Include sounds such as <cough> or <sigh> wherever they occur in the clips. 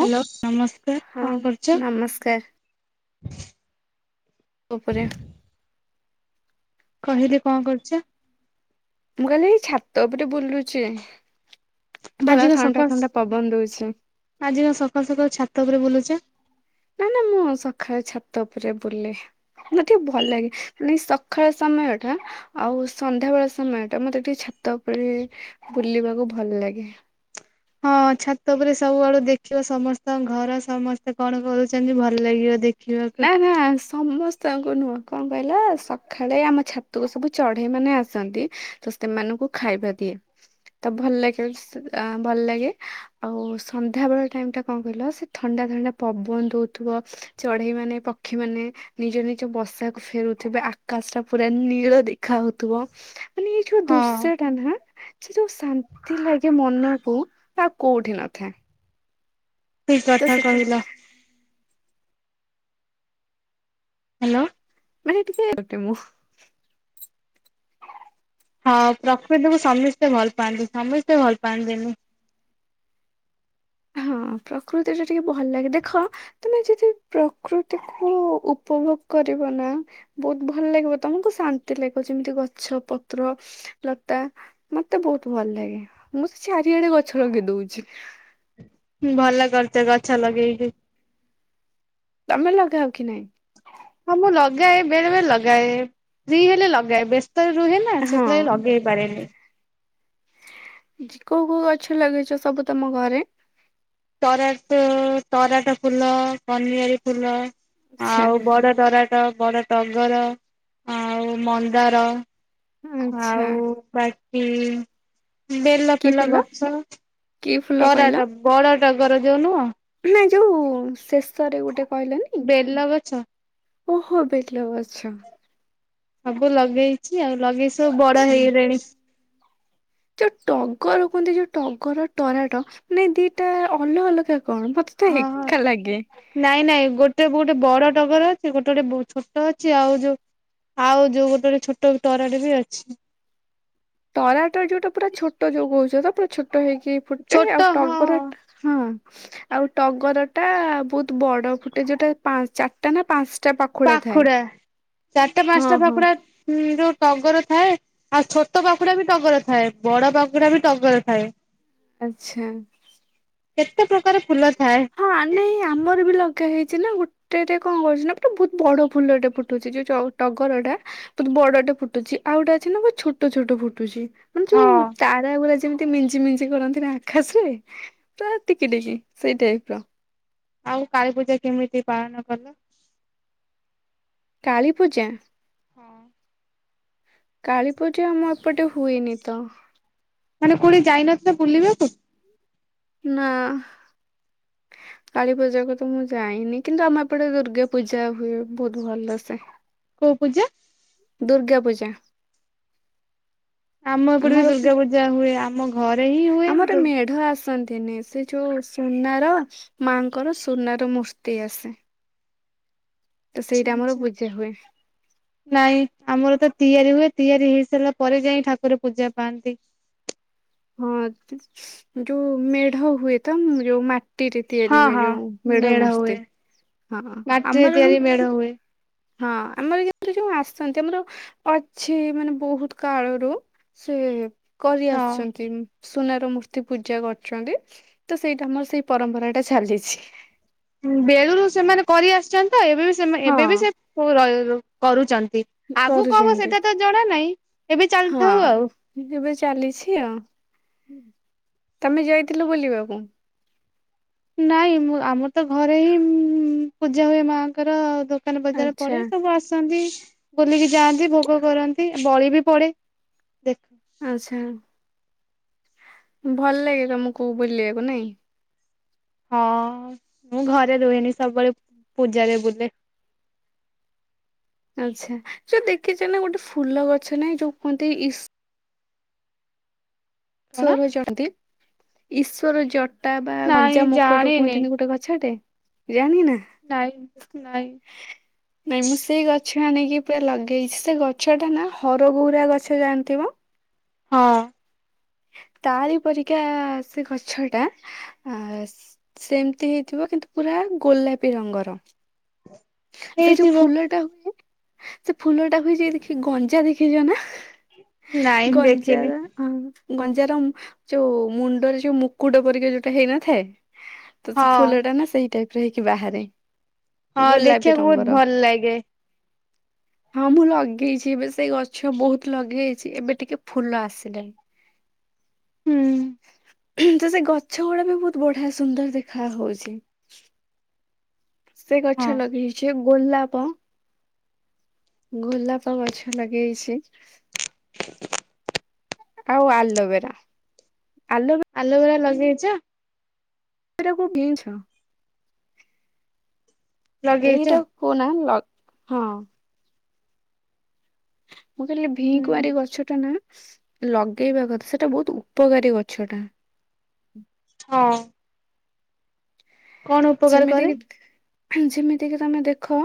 Hello ନମସ୍କାର, ହଁ କଣ କରୁଛ? ନମସ୍କାର ତାପରେ କହିଲେ କଣ କରୁଛ? ମୁଁ କହିଲି ଏଇ ଛାତ ଉପଟେ ବୁଲୁଛି। ଭଲ ଆଜିିକ ଥଣ୍ଡା ସକାଳ ଥଣ୍ଡା ପବନ ଦଉଛି। ଆଜି କ ସକାଳ ସକାଳୁ ଛାତ ଉପରେ ବୁଲୁଛ? ନା ନା ମୁଁ ସକାଳେ ଛାତ ଉପରେ ବୁଲେ । ମତ ଟିକେ ଭଲ ଲାଗେ, ମ ସକାଳ ସମୟ ଟା, ଆଉ ସନ୍ଧ୍ୟା ବେଳ ସମୟ ଟା, ମତେ ଟିକେ ଛାତ ଉପରେ ବୁଲିବାକୁ ଭଲ ଲାଗେ। ହଁ ଛାତ ଉପରେ ସବୁଆଡୁ ଦେଖିବ, ସମସ୍ତଙ୍କ ଘର, ସମସ୍ତେ କଣ କରୁଛନ୍ତି, ଭଲ ଲାଗିବ ଦେଖିବ। ନା ନା ସମସ୍ତ ତାଙ୍କୁ ନୁହଁ, କଣ କହିଲ ସକାଳେ ଆମ ଛାତୁକୁ ସବୁ ଚଢେଇ ମାନେ ଆସନ୍ତି, ତ ସେମାନଙ୍କୁ କୁ ଖାଇବା ଦିଏ । ତ ଭଲ ଲାଗେ, ଭଲ ଲାଗେ ଆଉ ସନ୍ଧ୍ୟାବେଳ ଟାଇମ ଟା କଣ କହିଲ, ସେ ଥଣ୍ଡା ପବନ ଦଉ ଥିବ, ଚଢେଇ ଚଢେଇ ମାନେ, ପକ୍ଷୀ ମାନେ, ନିଜ ନିଜ ବସାକୁ ଫେରୁଥିବେ, ଆକାଶ ଟା ପୁରା ନୀଳ ଦେଖା ହଉ ମାନେ, ଏଇ ଯୋଉ ହଁ ଦୂର୍ଷ୍ୟ ଟା ନା ସେ ଯୋଉ ଶାନ୍ତି ଲାଗେ ମନକୁ, ତା କୋଉଠି ନଥାଏ । ସେ କଥା କହିଲା <unintelligible> ହାଲୋ ମାନେ ଟିକେ ଗଟେ ମୁଁ ହଁ ପ୍ରକୃତକୁ ସମସ୍ତେ ଭଲ ପାଆନ୍ତି, ସମସ୍ତେ ଭଲ ପାଆନ୍ତିନି । <unintelligible> ହଁ ପ୍ରକୃତି ଟା ଟିକେ ଭଲ ଲାଗେ, ଦେଖ ତମେ ଯଦି ପ୍ରକୃତିକୁ ଉପ ଉପଭୋଗ କରିବ ନା, ବହୁତ ଭଲ ଲାଗିବ ତମକୁ, ଶାନ୍ତି ଲାଗିବ, ଯେମିତି ଗଛ ପତ୍ର ଲତା ମତେ ବହୁତ ଭଲ ଲାଗେ, ମୁଁ ସେ ଚାରିଆଡେ ଗଛ ଲଗେଇ ଦଉଛି । ଭଲ କରିଛ ଗଛ ଲଗେଇକି। ତମେ ଲଗାଅ କି ନାଇଁ? ହଁ ମୁଁ ଲଗାଏ, ବେଳେ ବେଳେ ଲଗାଏ, ଫ୍ରୀ ହେଲେ ଲଗାଏ, ବେଶ ସେଳେ <unintelligible> ରୁହେ ନା, ହଁ ସେଥିଲାଗି ଲଗେଇ ପାରେନି। କୋଉ କୋଉ ଗଛ ଲଗେଇଛ? ସବୁ ତମ ଘରେ । ତରାଟ, ତରାଟ ଫୁଲ, କନିଆରୀ ଫୁଲ ଆଛା <unintelligible> ବଡ ଟଗର, ଆଉ ମନ୍ଦାର । ଆଛା ଆଉ ବାକି ବେଲ କି ଫେଲ ଫୁଲ ଗଛ । କି ଫୁଲ କହିଲ? ତରାଟ, ବଡ ଟଗର ଯୋଉ ନୁହଁ? ନ ଯୋଉ ଶେଷରେ ଗୋଟେ କହିଲେନି ବେଲ ଗଛ ଓହୋ ବେଲ ଗଛ । ସବୁ ଲଗେଇଛି ଆଉ, ଲଗେଇ ସବୁ ବଡ ଆଛା ହେଇଗଲେଣି । ଯୋଉ ଟଗର କୁହନ୍ତି, ଯୋଉ ଟଗର ଟରାଟ, ମାନେ ଦିଟା ଅଲଗା ଅଲଗା କଣ ମତେ ତ ହଁ ହଁ, ଏକା ଲାଗେ। ନାଇଁ ନାଇଁ, ଗୋଟେ ବୋଟେ ଗୋଟେ ବଡ ଟଗର ଅଛି, ଗୋଟେ ଗୋଟେ ଛୋଟ ଅଛି, ଆଉ ଯୋଉ ଆଉ ଯୋଉ ଗୋଟେ ଛୋଟ ତରାଟ ବି ଅଛି । ଟରାଟ ଯୋଉଟା ପୁରା ଛୋଟ, ଯୋଉ କହୁଛ ତ ପୁରା ଛୋଟ ଫଟ ହେଇକି ଫୁଟେ ଆଉ ଛୋଟ ଟଗର, ହଁ ହଁ ଆଉ ଟଗର ଟା ବହୁତ ବଡ ଫୁଟେ ଯୋଉଟା ଚାରିଟା, ନା ପାଞ୍ଚଟା ପାଖୁଡା ଥାଏ। ପାଖୁଡ଼ା, ଚାରିଟା ହଁ ପାଞ୍ଚଟା ହଁ ପାଖୁଡ଼ା ଟଗର ଥାଏ, ଆଉ ଛୋଟ ପାଖୁଡା ବି ଟଗର ଥାଏ, ବଡ ପାଖୁଡା ବି ଟଗର ଥାଏ । ଆଛା। କେତେ ପ୍ରକାର ଫୁଲ ଅ ହଁ ନାଇ ଆମର ବି ଲଗା ହେଇଛି । ନା ଗୋଟେଟ କଣ କରୁଛି ନା ପଟେ ବହୁତ ବଡ ଫୁଲଟେ ଫୁଟୁଛି, ଯୋଉ ଟଗର ଟା ବହୁତ ବଡ ଫୁଟୁଛି, ଆଉ ଗୋଟେ ଅଛି ନା ଛୋଟ ଛୋଟ ଫୁଟୁଛି, ମାନେ ହଁ ଯୋଉ ତାରା ଗୁଡା ଯେମତି ମିଞ୍ଜି ମିଞ୍ଜି କରନ୍ତି ନା ଆକାଶରେ, ପୁରା ଟିକି ଟିକି ସେଇ ଟାଇପ ର ଆଉ କାଳୀ ପୂଜା କେମିତି ପାଳନ କଲ? କାଳୀପୂଜା! ହଁ। କାଳୀ ପୂଜା ଆମ ଏପଟେ ହୁଏନି ତ। ମାନେ କୋଉଠି ଯାଇନଥିଲ ବୁଲିବାକୁ? ନାଁ। କାଳୀ ପୂଜାକୁ ତ ମୁଁ ଯାଇନି କିନ୍ତୁ ଆମ ଏପଟେ ଦୁର୍ଗା ପୂଜା ହୁଏ ବୋହୁତ ଭଲସେ। କୋଉ ପୂଜା? ଦୁର୍ଗାପୂଜା। ଆମ ଏପଟେ ବି ଦୁର୍ଗା ପୂଜା ହୁଏ ଆମ ଘରେ ହିଁ ହୁଏ ଦୁ ତନ୍ତିନି ସେ ଯୋଉ ସୁନାର ମାଙ୍କର ସୁନାର ମୂର୍ତ୍ତି ଆସେ। ତ ଆଚ୍ଛା ସେଇଟା ଆମର ଆଚ୍ଛା ପୂଜା ହୁଏ ନାଇଁ ଆମର ତ ତିଆରି ହୁଏ। ତିଆରି ହେଇ ସାରିଲା ପରେ ଯାଇ ଠାକୁର ପୂଜା ପାଆନ୍ତି। ହଁ ଯୋଉ ମେଢ଼ ହୁଏ ତ ଯୋଉ ମା ଟିରେ ତିଆରି ହଁ ହୁଏ ହଁ ଯୋଉ ମେଢ଼ ମେଢ ହୁଏ ମୂର୍ତ୍ତି ହଁ ମାଟିରେ ଆମର କି ତିଆରି ମେଢ ହୁଏ ହଁ ଆମର ଯେମିତି ଯୋଉ ଆସନ୍ତି ଆମର ଅଛି ମାନେ ବୋହୁତ କାଳରୁ। ଏ ସେ କରି ହଁ। ଆସଛନ୍ତି। ସୁନାର ମୂର୍ତ୍ତି ପୂଜା କରୁଚନ୍ତି ତ ସେଇଟା ଆମର ସେଇ ପରମ୍ପରାଟା ଚାଲିଚି। ବେଳୁରୁ ସେମାନେ କରି ଆସିଚନ୍ତି ତ ଏବେ ବି ସେମା ହଁ ଏବେ ବି ସେ ପୁ ର ରୁ କରୁଚ ଇ ଆଗୁକୁ କ ହବ କରୁଛନ୍ତି ସେଟା ତ ଜଣା ନାଇଁ ଏବେ ଚାଲିଥାଉ ହଁ ଆଉ। ଏବେ ଚାଲିଛି ଆଉ ତମେ ଯାଇଥିଲ ବୁଲିବାକୁ? ନାଇଁଁ ମୁଁ ଆମର ତ ଘରେ ହିଁ ପୂଜା ହୁଏ ମାଆଙ୍କର ଦ କାନ ବଜାର ଆଚ୍ଛା ପଡ଼େ ସବୁ ଆସନ୍ତି। ବୁଲିକି ଯାଆନ୍ତି ଭୋଗ କରନ୍ତି ବଳି ବି ପଡ଼େ। ଆଚ୍ଛା ଭଲ ଲାଗେ ତମୁକୁ ବୁଲିଆକୁ ନାଇଁ? ହଁ ମୁଁ ଘରେ ରୁହନି ସବୁବେଳେ ପୂଜାରେ ବୁଲେ। ଆଚ୍ଛା ଯୋଉ ଦେଖିଚ ନାଁ ଗୋଟେ ଫୁଲ ଗଛ ନାଇଁ ଯୋଉ କୁହନ୍ତି ଇସ୍ କଣ ଶ୍ୱର ଜଦି ଈଶ୍ୱର ଜ ଟା ବା ନାଇଁ ଗଞ୍ଜା ମକୁଟ ଜାଣିନି। କୁହନ୍ତିନି ଗୋଟେ ଗଛଟେ। ଜାଣି ନାଁ ନାଇଁ ନାଇଁ ନାଇଁ ମୁଁ ସେଇ ଗଛ ଆଣିକି ପୁରା ଲଗେଇଛି ସେ ଗଛଟା ନାଁ ହରଗୋଉରା ଗଛ ଜାଣଥିବ। ହଁ। ତାରି ପରିକା ସେ ଗଛଟା ଆ ସେମତି ହେଇଥିବ ଇନ୍ତୁ ପୁରା ଗୋଲାପୀ ରଙ୍ଗର। ସେ ଯୋଉ ହେଇଥିବ ଫୁଲଟା ହୁଏ ସେ ଫୁଲଟା ହୁଏ ଯେ ଦେଖି ଗଞ୍ଜା ଦେଖିଚ ନାଁ? ନାଇଁ ଗଞ୍ଜା ଦେଖିନି। ଯା ହଁ। ଗଞ୍ଜାର ଉଁ ଯୋଉ ମୁଣ୍ଡରେ ଯୋଉ ମୁକୁଟ ପରିକା ଯୋଉଟା ହେଇନଥାଏ? ତ ସେ ହଁ ଫୁଲଟା ନାଁ ସେଇ ଟାଇପ୍ ର ହେଇକି ବାହାରେ। ହଁ ଗୋଲାପୀ ଦେଖିବାକୁ ବହୁତ ରଙ୍ଗର। ଭଲ ଲାଗେ। ହଁ ମୁଁ ଲଗେଇଚି ଏବେ ସେଇ ଗଛ ବୋହୁତ ଲଗେଇଚି ଏବେ ଟିକେ ଫୁଲ ଆସିଲାଣି। ହୁଁ। ତ ସେ ଗଛ ଗୁଡ଼ା ବି ବୋହୁତ ବଢ଼ିଆ ସୁନ୍ଦର ଦେଖା ହୋଉଛି। ସେ ହଁ ଗଛ ଲଗେଇଛି ଗୋଲାପ। ଗୋଲାପ ଗଛ ଲଗେଇଚି। ଆଉ ଆଲବେରା ଆଲବେ ତ ଗୁରା ଲଗେଇଚ। ଏରାକୁ ଗିଛ। ଲଗେଇଛ ଏଇଟାକୁ ନାଁ ଲ ହଁ। ମୁଁ କହିଲି ହୁଁ ଭିକୁଆଁରୀ ଗଛଟା ନାଁ ଲଗେଇବା କଥା ସେଟା ବୋହୁତ ଉପକାରୀ ଗଛଟା। ହଁ। କଣ ଉପକାର ସେମିତି କରେ? କି ଯେମିତି କିି ତମେ ଦେଖ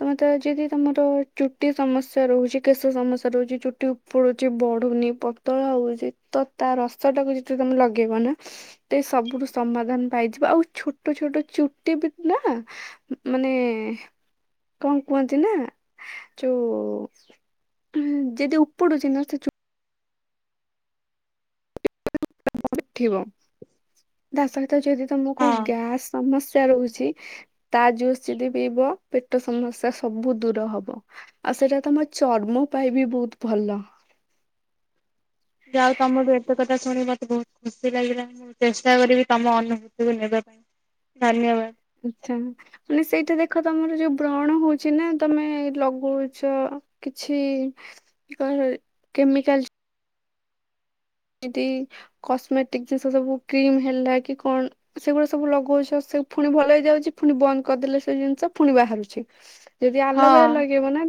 ତମେ ତ ଯଦି ତମର ଚୁଟି ସମସ୍ୟା ରହୁଚି କେଶ ଶ ସମସ୍ୟା ରହୁଚି ଚୁଟି ଉପୁଡୁଚି ବଢୁନି ପତଳା ହୋଉଚି ତ ତା ରସଟାକୁ ଯେତେବେଳେ ତମେ ଲଗେଇ ଇବ ନା ତ ଏଇ ସବୁଠୁ ସମାଧାନ ପାଇଯିବ ଆଉ ଛୋଟ ଛୋଟ ଚୁଟି ବି ନା ମାନେ କଣ କୁହନ୍ତି ନା ଯୋଉ ଉଁ ଯଦି ଉପୁଡୁଚି ନା ସେ ଚୁ ଉଠିବ ତା ସହିତ ଯଦି ତମକୁ ହଁ ଗ୍ୟାସ୍ ସମସ୍ୟା ଟା ରହୁଚି ତା ଜୁସ୍ ଯଦି ପିଇବ ପେଟ ସମସ୍ୟା ସବୁ ଦୂର ହବ ସେଟା ତମ ଚର୍ମ ପାଇଁ ବି ବୋହୁତ ଭଲ। ଆଉ ତମଠୁ ଏତେ କଥା ଶୁଣି ମତେ ବୋହୁତ ଖୁସି ଲାଗିଲାଣି ମୁଁ ଚେଷ୍ଟା କରିବି ତମ ଅନୁଭୂତିକୁୁ ନେବା ପାଇଁ। ଧନ୍ୟବାଦ। ଆଚ୍ଛା ମାନେ ସେଇଟା ଦେଖ ତମର ଯୋଉ ବ୍ରଣ ହୋଉଚି ନା ତମେ ଲଗୋଉଛ କିଛି କହି-କେମିକାଲ ଏମତି କସ୍ମେଟିକ ଜିନିଷ ସବୁ କ୍ରିମ ହେଲା କି କଣ ସେଗୁଡା ସବୁ ଲଗୋଉଚ ସ୍ ଫୁଣି ଭଲ ହେଇଯାଉଚି ଫୁଣି ବନ୍ଦ କରିଦେଲେ ସେ ଜିନିଷ ଫୁଣି ବାହାରୁଛି ଯଦି ଆଲୋବେରା ହଁ ଲଗେଇବ ନା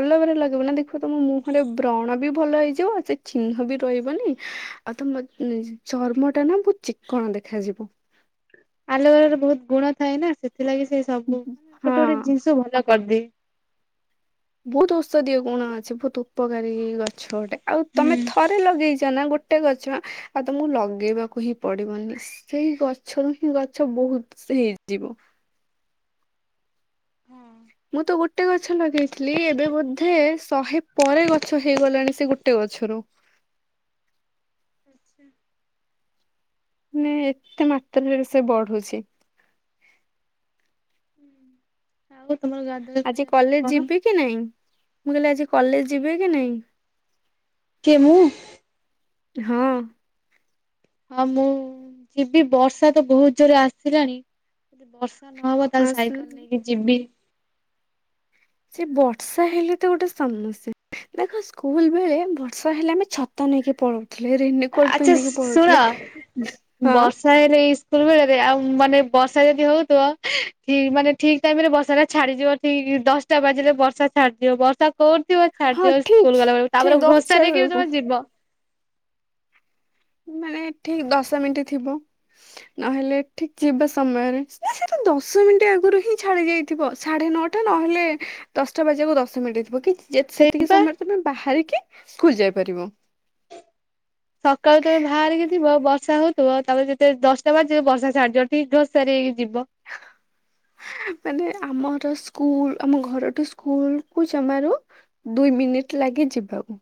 ଆଲୋବେରା ଲଗେଇବ ନା ଦେଖିବ ତମ ମୁହଁରେ ବ୍ରଣ ବି ଭଲ ହେଇଯିବ ସେ ଚିହ୍ନ ବି ରହିବନି ଆଉ ତମ ଅଁ-ଚର୍ମଟା ନା ବୋହୁତ ଚିକ୍କଣ ଦେଖାଯିବ। ଆଲୋବେରାର ବୋହୁତ ଗୁଣ ଥାଏ ନା ସେଥିଲାଗି ସେଇ ସବୁ ମାନେ ଗୋଟେ ହଁ। ଗୋଟେ ଜିନିଷ ଭଲ କରିଦିଏ। ବୋହୁତ ଔଷଧୀୟ ଗୁଣ ଅଛି ବୋହୁତ ଉପକାରୀ ଗଛ ଗୋଟେ ଆଉ ହୁଁ ତମେ ଥରେ ଲଗେଇଚ ନା ଗୋଟେ ଗୋଟେ ଗଛ ଆଉ ତମକୁ ଲଗେଇବାକୁ ହିଁ ପଡିବନି ସେଇ ଗଛରୁ ହିଁ ଗଛ ବୋହୁତ ସ୍ ହେଇଯିବ। ହଁ ମୁଁ ତ ଗୋଟେ ଗଛ ଲଗେଇଥିଲି ଏବେ ବୋଧେ ଶହେ ପରେ ଗଛ ହେଇଗଲାଣି ସେ ଗୋଟେ ଗଛରୁ। ଆଚ୍ଛା। ମାନେ ଏତେ ମାତ୍ରାରେ ସେ ବଢୁଛି। ହୁଁ ଆଉ ତମର ଗାଧୁଆ ଆଜି ଖାଇବା ପିଇବା କଲେଜ କଣ ଯିବେ କି ନାଇଁ ମୁଁ କହିଲି ଆଜି କଲେଜ ଯିବେ କି ନାଇଁ? କିଏ ମୁଁ? ହଁ। ହଁ ମୁଁ ଯିବି ବର୍ଷା ତ ବୋହୁତ ଜୋରେ ଆସିଲାଣି ଯଦି ବର୍ଷ୍ ର୍ଷା ନହବ ହଁ ତାହେଲେ ସାଇକଲ୍ ସେ ନେଇକି ଯିବି। ସେ ବର୍ଷା ହେଲେ ତ ଗୋଟେ ସମସ୍ୟା। ଦେଖ ସ୍କୁଲ ବେଳେ ବର୍ଷା ହେଲେ ଆମେ ଛତା ନେଇକି ପଳୋଉଥୁ ଆଚ୍ଛା ଶୁ-ଶୁଣ ହଁ ବର୍ଷା ହେଲେ ଏଇ ସ୍ ସ୍କୁଲ ବେଳରେ ଆଉ ମାନେ ବର୍ଷା ଯଦି ହୋଉଥୁବ ଠିକ୍ ମାନେ ଠିକ୍ ଟାଇମରେ ବର୍ଷାଟା ଛାଡିଯିବ ଠିକ୍ ଠିକ୍ ଦଶଟା ବାଜିଲେ ବର୍ଷା ଛାଡିଯିବ ବର୍ଷା କୋଉ ଥିବ ହଁ ଛାଡିିଯିବ ସ୍କୁଲ ଠିକ ଗଲାବେଳକୁ ଠିକ ତାପରେ ଦଶଟା ଘୋଷାରି ହେଇକି ବି ବେଳକୁ ତମେ ଯିବ। ମାନେ ଠିକ ଦଶ ମିନଟି ଥିବ ନହେଲେ ଠିକ ଯିବା ସମୟରେ ନା ସେଟା ଦଶ ମିନଟି ଆଗରୁ ହିଁ ଛାଡି ଯାଇଥିବ ନଅଟା ନହେଲେ ଦଶଟା ବାଜିବାକୁ ଦଶ ମିନିଟ୍ ଥିବ କି ଯେତ୍ ସେତିକି ସେଇପା ସମୟରେ ତମେ ବାହାରିକି ସ୍କୁଲ ଯାଇପାରିବ। ସକାଳୁ ତମେ ଭାରିକି ଯିବ ବର୍ଷା ହୋଉଥୁବ ତାପରେ ଯେତେବେଳେ ଦଶଟା ବାଜିବ ବର୍ଷା ଛାଡିଯିବ ଠିକ ଘୋସା ରି ହେଇକି ଯିବ। <unintelligible> ମାନେ ଆମର ସ୍କୁଲ ଆମ ଘରୁଠୁ ସ୍କୁଲକୁ ଜମାରୁ ଦୁଇ ମିନି ଲାଗେ ଯିବାକୁ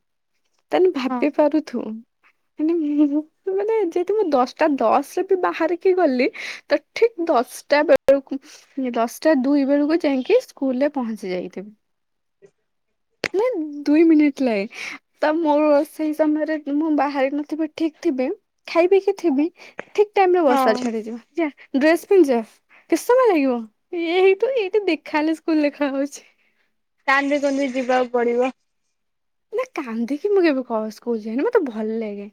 ତାନେ ହଁ। ଭାବି ପାରୁଥ ମାନେ ମୁଁ ମାନ୍ ନେ ଯଦି ମୁଁ ଦଶଟା ଦଶରେ ବି ବାହାରିକି ଗଲି ତ ଠିକ୍ ଦଶଟା ବେଳକୁ ଦଶଟା ଦୁଇ ବେଳକୁ ଯାଇକି ସ୍କୁଲରେ ପହଞ୍ଚି ଯାଇଥିବି। ଦୁଇ ମିନିଟ ଲାଗେ ତ ମୁଁ ସେଇ ସମୟରେ ମୁଁ ବାହାରି ନଥିବି ଠିକ ଥିବେ। ଖାଇପିକିି ଥିବି ଠିକ ଟାଇମ ରେ ବର୍ଷା ହଁ ଛାଡିଯିବ। ଡ୍ରେସ ପିନ୍ଧଚ କେତେ ସମୟ ଲାଗିବ ଏଇଠୁ ଏଇଠୁ ଦେଖାହଲେ ସ୍କୁଲ ଦେଖା ହଉଛି। କାନ୍ଦରେ କନ୍ଦି ଯିବାକୁ ପଡିବ। ନା କାନ୍ଦିକି ମୁଁ କେବେ ସ୍କୁଲ ଯାଏନି ମତେ ଭଲ ଲାଗେ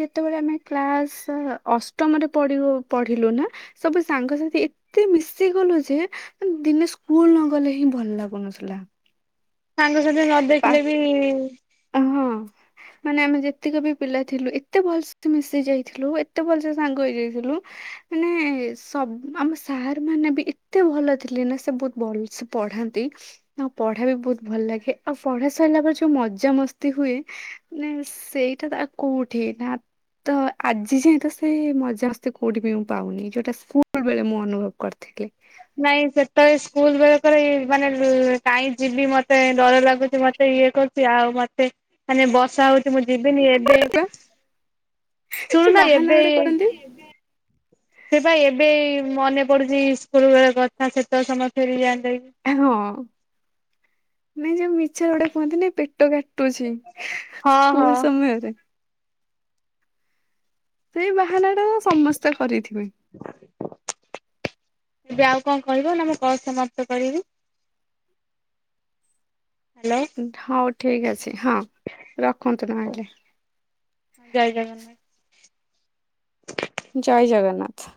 ଯେତେବେଳେ ଆମେ କ୍ଲାସ ଅସ ଅଷ୍ଟମ ପଢିଲୁ ନା ସବୁ ସାଙ୍ଗସାଥି ଏତେ ମିଶି ଗଲୁ ଯେ ଦିନେ। ସ୍କୁଲ ନ ଗଲେ ହିଁ ଭଲ ଲାଗୁନଥିଲା। ସାଙ୍ଗସାଥି ନ ପା ଦେଖିଲେ ବି ହଁ ମାନେ ଆମେ ଯେତିକ ବି ପିଲା ଥିଲୁ ଏତେ ଭଲସ ମିଶି ଯାଇଥିଲୁ ଏତେ ଭଲସେ ସାଙ୍ଗ ହେଇଯାଇଥିଲୁ ମାନେ ସବୁ ଆମ ସାର୍ ମାନେ ବି ଏତେ ଭଲ ଥିଲେ ନା ସେ ବହୁତ ଭଲସେ ପଢାନ୍ତି ଆଉ ପଢା ବି ବହୁତ ଭଲ ଲାଗେ ଆଉ ପଢା ସାରିଲା ପରେ ଯୋଉ ମ ମଜା ମସ୍ତି ହୁଏ ନା ସେଇଟା ତା କୋଉଠି ନା। ତ ଆଜି ଯାଏଁ ତ ସେ ମଜାମସ୍ତି କୋଉଠି ବି ମୁଁ ପାଉନି ଯୋଉଟା ସ୍କୁଲ ବେଳେ ମୁଁ ଅନୁଭବ କରିଥିଲି। ନାଇଁ ସେତେବେଳେ ସ୍କୁଲ ବେଲରେ ମାନେ କାଇଁ ଯିବି ମତେ ଡର ଲାଗୁଛି ମତେ। ଇଏ କରୁଛି ଆଉ ମତେ ମାନେ ବର୍ଷା ହଉଛି ମୁ ଯିବିନି ଏବେ ସେ ଶୁଣୁନ ବାହାନା ଏବେ ଗୋଟେ କରନ୍ତି ସେ ପାଇଁ ଏବେ ମନେ ପଡୁଛି ସ୍କୁଲ ବେଳ କଥା ସେତେବେଳେ ସମସ୍ତେ ହଁ ନାଇଁ ଯ ମିଛ ଗୋଟେ କୁହନ୍ତିନି ପେଟ କାଟୁଛି ହଁ ହଁ ସ୍କୁଲ ସମୟରେ। ସେଇ ବାହାନାଟାକୁ ସମସ୍ତେ କରିଥିବେ। ଏବେ ଆଉ କଣ କହିବ ନା ମୁଁ କ ସମାପ୍ତ କରିବି। ହ୍ୟାଲୋ ହଉ ଠିକ ଅଛି। ହଁ ରଖନ୍ତୁ ନହଲେ। ଜୟ ଜଗନ୍ନାଥ। ଜୟ ଜଗନ୍ନାଥ।